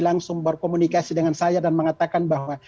langsung berkomunikasi dengan saya dan mengatakan bahwa